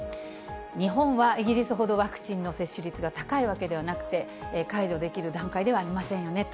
日本はイギリスほどワクチンの接種率が高いわけではなくて、解除できる段階ではありませんよねと。